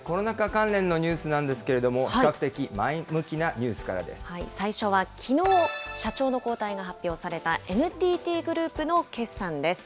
関連のニュースなんですけれども、比較最初はきのう、社長の交代が発表されたＮＴＴグループの決算です。